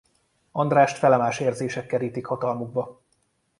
Andrást felemás érzések kerítik hatalmukba.